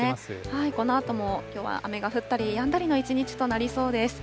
このあとも、きょうは弱い雨が降ったりやんだりの一日となりそうです。